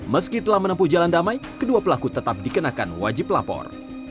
meski telah menempuh jalan damai kedua pelaku tetap dikenakan wajib lapor